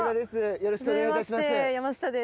よろしくお願いします。